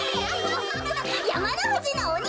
やまのふじのおにだ。